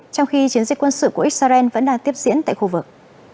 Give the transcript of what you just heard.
trong khi chiến dịch quân sự của israel vẫn đang tiếp diễn tại khu vực